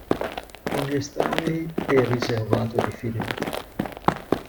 Con gli estranei è riservato e diffidente.